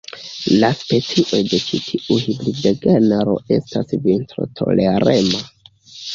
La specioj de ĉi tiu hibridgenro estas vintrotolerema.